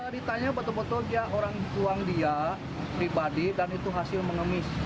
pertama pengemis ini tidak terlalu berharga pribadi dan itu hasil mengemis